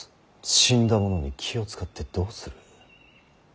死んだ者に気を遣ってどうする。